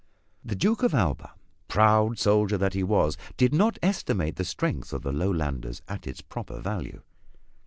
The Duke of Alva, proud soldier that he was, did not estimate the strength of the Lowlanders at its proper value.